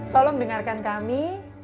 tolong dengarkan kami